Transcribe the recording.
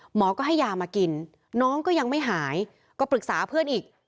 หมอก็ให้ยามากินน้องก็ยังไม่หายก็ปรึกษาเพื่อนอีก